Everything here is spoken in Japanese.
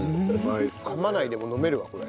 噛まないでも飲めるわこれ。